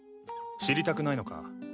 知りたくないのか？